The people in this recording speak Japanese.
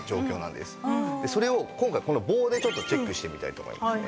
それを今回この棒でチェックしてみたいと思います。